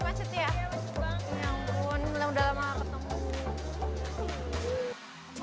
hai udah sampe macet ya